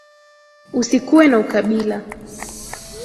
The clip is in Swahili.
Usikuwe na ukabila.